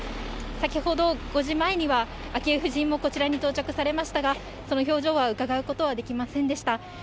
先ほど５時前には、昭恵夫人もこちらに到着されましたが、その表情はうかがうことはできませんでした。